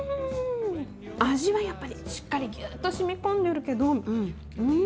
味はやっぱりしっかりギュッとしみ込んでるけどうん！